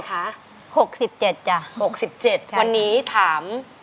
อยากจะบอกว่าขอบพระคุณมากเลยที่ช่วยเหลือเนี่ยขอให้ได้ล้านเลยนะ